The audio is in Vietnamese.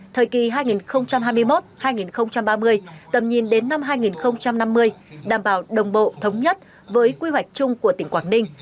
thời kỳ hai nghìn hai mươi một hai nghìn ba mươi tầm nhìn đến năm hai nghìn năm mươi đảm bảo đồng bộ thống nhất với quy hoạch chung của tỉnh quảng ninh